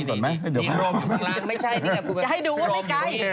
กินโรมอยู่ข้างล่างให้ดูมันไม่ไกล